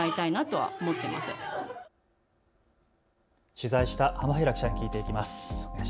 取材した浜平記者に聞いていきます。